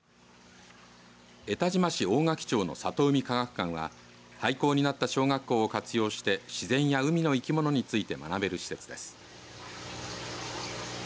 江田島市大柿町のさとうみ科学館は廃校になった小学校を活用して自然や海の生き物について学べる施設です。